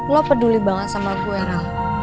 lo peduli banget sama gue ra